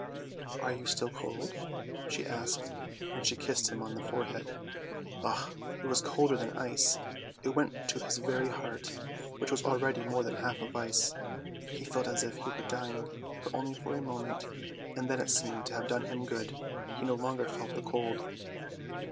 " Are you still cold? " she asked, and she kissed him on the forehead. Ugh ! it was colder than ice, it went to his very heart, which was already more than half ice ; he felt as if he were dying, but only for a moment, and then it seemed to have done him good, he no longer felt the cold.